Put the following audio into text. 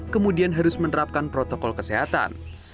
kemudian harus menerapkan protokol kesehatan